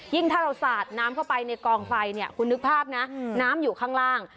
ถ้าเราสาดน้ำเข้าไปในกองไฟเนี่ยคุณนึกภาพนะน้ำอยู่ข้างล่าง